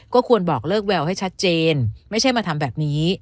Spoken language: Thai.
ก็ควรบอกเลิกแววให้ชัดเจนไม่ใช่มาทำแบบนี้